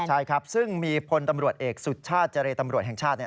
ใช่ครับซึ่งมีพลตำรวจเอกสุชาติเจรตำรวจแห่งชาติ